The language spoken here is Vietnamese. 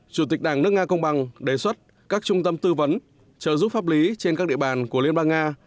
chủ tịch đảng nước nga công bằng đề xuất các trung tâm tư vấn trợ giúp pháp lý trên các địa bàn của liên bang nga